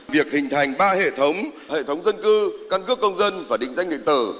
việc hình thành ba hệ thống hệ thống dân cư cân cước công dân và định danh định tử